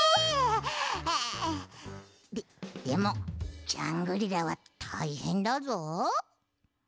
ででもジャングリラはたいへんだぞ。